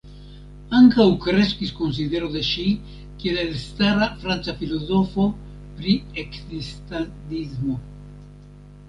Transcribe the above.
Ankaŭ kreskis konsidero de ŝi kiel elstara franca filozofo pri ekzistadismo.